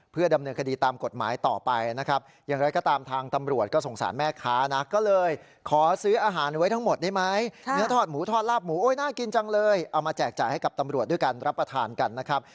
เพื่อดำเนินคดีตามกฎหมายต่อไปนะครับ